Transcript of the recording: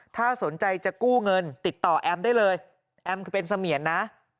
ถ้าสนใจจะกู้เงินติดต่อแอมได้เลยแอมคือเป็นเสมียนนะ